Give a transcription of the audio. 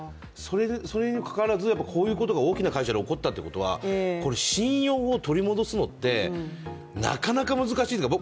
それにもかかわらず、こういうことが大きな会社で起こったということはこれ、信用を取り戻すのって、なかなか難しいですね。